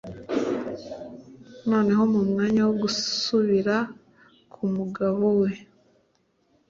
noneho mu mwanya wo gusubira k’umugabo we,